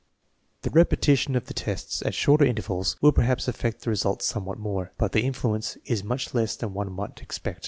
2 The repetition of the test at shorter intervals will per haps affect the result somewhat more, but the influence is much less than one might expect.